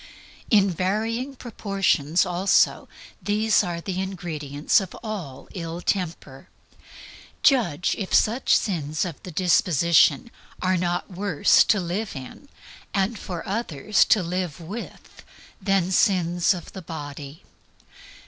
In varying proportions, also, these are the ingredients of all ill temper. Judge if such sins of the disposition are not worse to live in, and for others to live with, than the sins of the body.